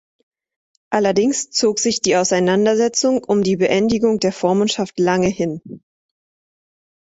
Allerdings zog sich die Auseinandersetzung um die Beendigung der Vormundschaft lange hin.